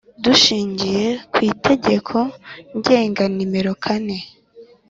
Dushingiye ku Itegeko Ngenga nimero kane